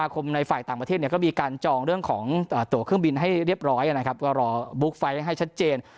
ก็มีการจองของตัวเครื่องบินให้เรียบร้อยนะครับก็รอบุกไฟให้ชัดเจน